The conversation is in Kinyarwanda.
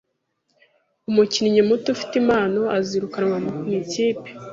Umukinnyi muto ufite impano azirukanwa mu ikipe